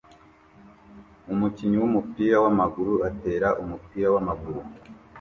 Umukinnyi wumupira wamaguru atera umupira wamaguru